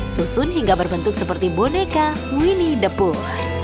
susun hingga berbentuk seperti boneka winnie the pooh